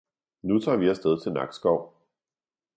Nu tager vi afsted til Nakskov